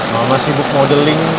mama sibuk modeling